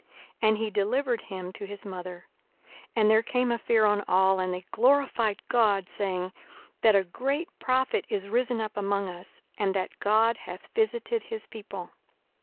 And he delivered him to his mother. 42:007:016 And there came a fear on all: and they glorified God, saying, That a great prophet is risen up among us; and, That God hath visited his people.